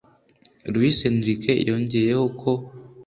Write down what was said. Luis Enrique yongeyeho ko